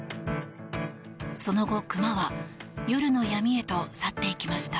その後、クマは夜の闇へと去っていきました。